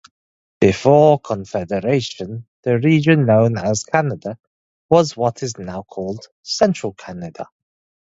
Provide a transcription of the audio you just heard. Before Confederation, the region known as Canada was what is now called Central Canada.